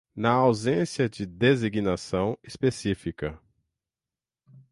na ausência de designação específica.